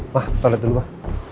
pak toilet dulu pak